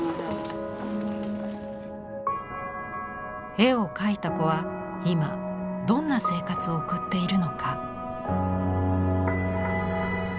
絵を描いた子は今どんな生活を送っているのか？